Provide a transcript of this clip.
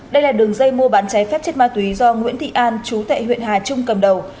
đây là đường dây mua bán cháy phép chất ma túy do nguyễn thị an chú tệ huyện hà trung cầm đầu